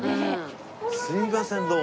すみませんどうも。